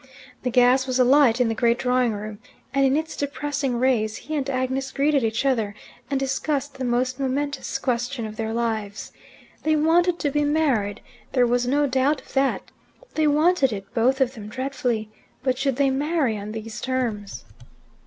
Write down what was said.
The gas was alight in the great drawing room, and in its depressing rays he and Agnes greeted each other, and discussed the most momentous question of their lives. They wanted to be married: there was no doubt of that. They wanted it, both of them, dreadfully. But should they marry on these terms?